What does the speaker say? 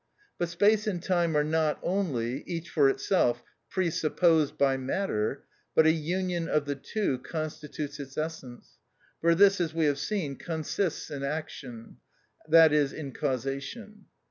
But space and time are not only, each for itself, presupposed by matter, but a union of the two constitutes its essence, for this, as we have seen, consists in action, i.e., in causation.